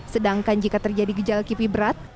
sedangkan jika terjadi gejala kipi berat